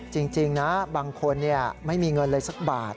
จริงนะบางคนไม่มีเงินเลยสักบาท